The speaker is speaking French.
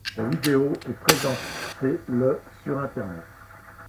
La vidéo est présentée le sur Internet.